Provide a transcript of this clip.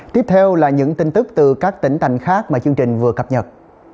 tiếp theo là những tin tức từ các tỉnh thành khác mà chương trình vừa cập nhật